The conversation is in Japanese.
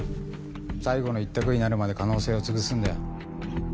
最後の１択になるまで可能性をつぶすんだよ。